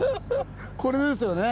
これですよね。